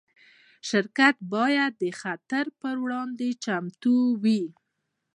شرکت باید د خطر پر وړاندې چمتو وي.